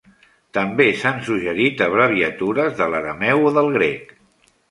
També s"han suggerit abreviatures de l"arameu o del grec.